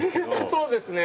そうですね。